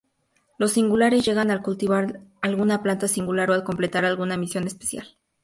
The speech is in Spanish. Los singulares, llegan al cultivar alguna planta singular o al completar alguna misión especial.